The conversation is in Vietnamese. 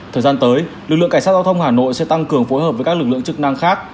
thời gian tới lực lượng cảnh sát giao thông hà nội sẽ tăng cường phối hợp với các lực lượng chức năng khác